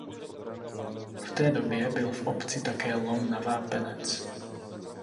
V té době byl v obci také lom na vápenec.